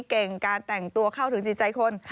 เก่งการแต่งตัวเข้าถึงจิตใจคน